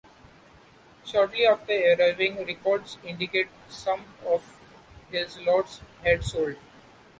Shortly after arriving, records indicate some of his lots had sold.